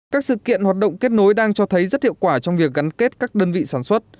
các sự kiện hoạt động kết nối đang cho thấy rất hiệu quả trong việc gắn kết các đơn vị sản xuất